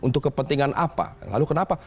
untuk kepentingan apa lalu kenapa